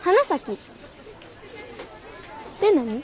って何？